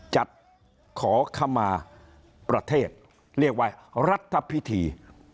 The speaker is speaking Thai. จัดขอขมาประเทศเรียกว่ารัฐพิธี